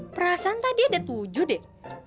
perasaan tadi ada tujuh deh